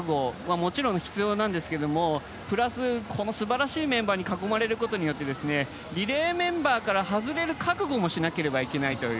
もちろん必要なんですけどもプラス素晴らしいメンバーに囲まれることによってリレーメンバーから外れる覚悟もしなければならないという。